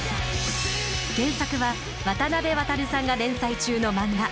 原作は渡辺航さんが連載中の漫画。